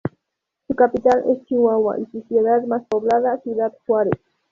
Su capital es Chihuahua y su ciudad más poblada, Ciudad Juárez.